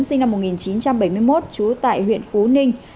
sinh năm một nghìn chín trăm bảy mươi một trú tại huyện phú ninh